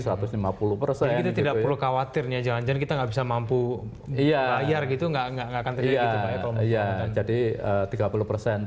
jadi kita tidak perlu khawatir ya jangan jangan kita gak bisa mampu bayar gitu gak akan terjadi gitu pak eko